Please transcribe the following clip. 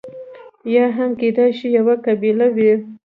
یا هم کېدای شي یوه قبیله وي.